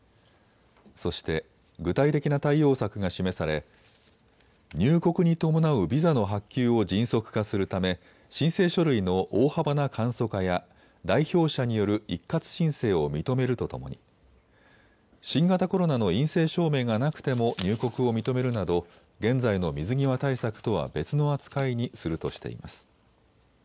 そして具体的な対応策が示され入国に伴うビザの発給を迅速化するため申請書類の大幅な簡素化や代表者による一括申請を認めるとともに新型コロナの陰性証明がなくても入国を認めるなど現在の水際対策とは別の扱いにするとしています。